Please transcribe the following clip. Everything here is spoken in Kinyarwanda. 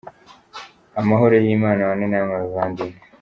Amahoro Y’ Imana abane namwe bavandimwe.